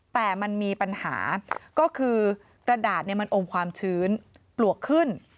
แต่มันมีปัญหาก็คือกระดาษมันอมความชื้นปลวกขึ้น